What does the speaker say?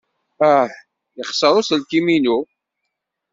Ah! Yexṣer uselkim-inu.